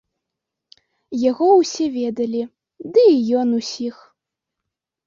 Яго ўсе ведалі, ды і ён усіх.